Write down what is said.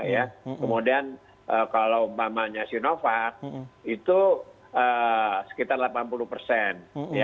kemudian kalau umpamanya sinovac itu sekitar delapan puluh persen